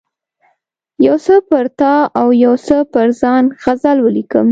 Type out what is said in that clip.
یو څه پر تا او یو څه پر ځان غزل ولیکم.